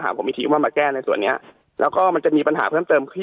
ผมมีทีมว่ามาแก้ในส่วนนี้แล้วก็มันจะมีปัญหาเพิ่มเติมขึ้น